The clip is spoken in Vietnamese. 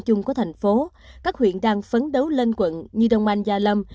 chung của thành phố các huyện đang phấn đấu lên quận như đông anh gia lâm